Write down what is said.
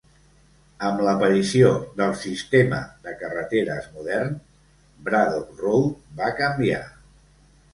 Amb l'aparició del sistema de carreteres modern, Braddock Road va canviar.